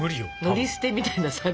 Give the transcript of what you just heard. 乗り捨てみたいなさ。